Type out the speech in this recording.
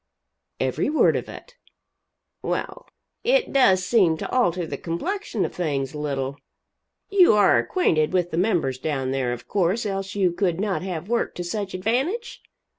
"Every word of it." "Well it does seem to alter the complexion of things a little. You are acquainted with the members down there, of course, else you could not have worked to such advantage?"